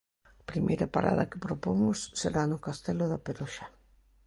A primeira parada que propomos será no Castelo da Peroxa.